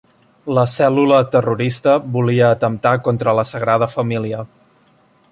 La cèl·lula terrorista volia atemptar contra la Sagrada Família.